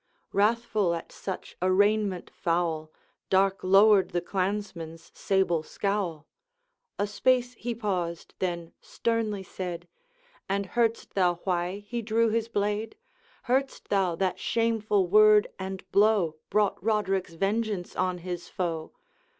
Wrathful at such arraignment foul, Dark lowered the clansman's sable scowl. A space he paused, then sternly said, 'And heardst thou why he drew his blade? Heardst thou that shameful word and blow Brought Roderick's vengeance on his foe?